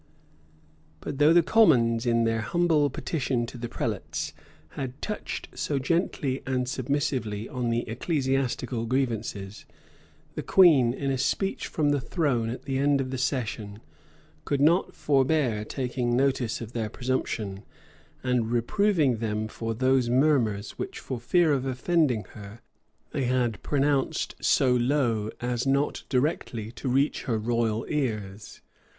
But though the commons, in their humble petition to the prelates, had touched so gently and submissively on the ecclesiastical grievances, the queen, in a speech from the throne at the end of the session, could not forbear taking notice of their presumption, and reproving them for those murmurs which, for fear of offending her, they had pronounced so low as not directly to reach her royal ears.